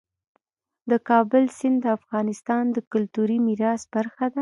د کابل سیند د افغانستان د کلتوري میراث برخه ده.